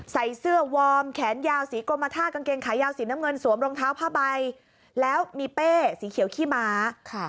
ใส่เสื้อวอร์มแขนยาวสีกรมท่ากางเกงขายาวสีน้ำเงินสวมรองเท้าผ้าใบแล้วมีเป้สีเขียวขี้ม้า